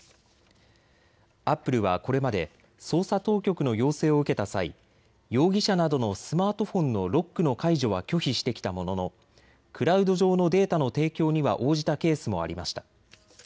アップルはこれまで捜査当局の要請を受けた際、容疑者などのスマートフォンのロックの解除は拒否してきたもののクラウド上のデータの提供には応じたケースもありました。